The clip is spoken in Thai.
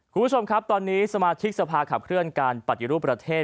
คุณผู้ชมครับตอนนี้สมาชิกสภาขับเคลื่อนการปฏิรูปประเทศ